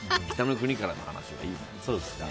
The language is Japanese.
「北の国から」の話はいいんです。